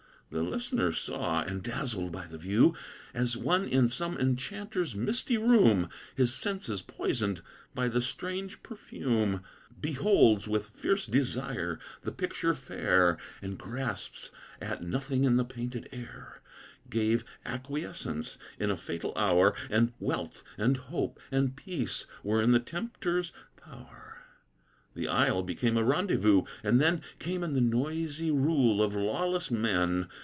The listener saw; and, dazzled by the view, As one in some enchanter's misty room, His senses poisoned by the strange perfume, Beholds with fierce desire the picture fair, And grasps at nothing in the painted air, Gave acquiescence, in a fatal hour, And wealth, and hope, and peace were in the tempter's power. The isle became a rendezvous; and then Came in the noisy rule of lawless men.